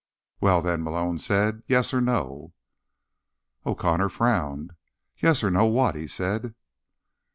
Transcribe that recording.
"Well, then," Malone said. "Yes or no?" O'Connor frowned. "Yes or no what?" he said.